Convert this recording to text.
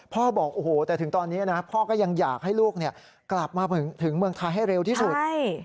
บอกโอ้โหแต่ถึงตอนนี้นะพ่อก็ยังอยากให้ลูกกลับมาถึงเมืองไทยให้เร็วที่สุด